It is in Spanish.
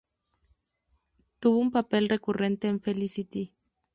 Tuvo un papel recurrente en "Felicity".